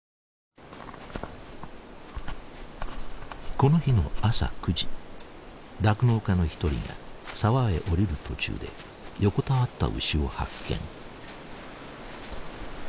この日の朝９時酪農家の一人が沢へ下りる途中で横たわった牛を発見。